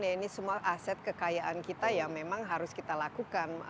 ya ini semua aset kekayaan kita yang memang harus kita lakukan